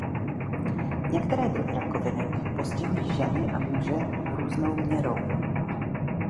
Některé druhy rakoviny postihují ženy a muže různou měrou.